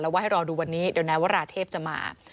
ว่าให้รอดูวันนี้เดี๋ยวนายวราเทพจะมา